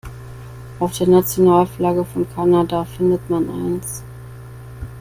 Auf der Nationalflagge von Kanada findet man eins.